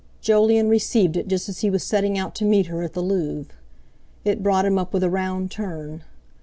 Jolyon received it just as he was setting out to meet her at the Louvre. It brought him up with a round turn.